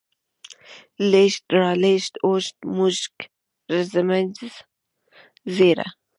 لېږد، رالېږد، اوږد، موږک، ږمنځ، ږيره